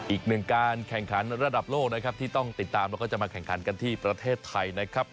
อีกหนึ่งการแข่งขันระดับโลกนะครับที่ต้องติดตามแล้วก็จะมาแข่งขันกันที่ประเทศไทยนะครับ